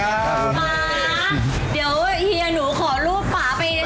มาเดี๋ยวเฮียหนูขอรูปป่าไปให้พอเลยนะ